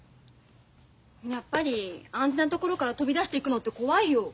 やっぱり安全なところから飛び出していくのって怖いよ。